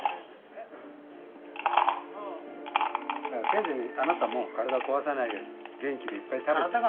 せいぜいあなたも体を壊さないように元気でいっぱい食べて。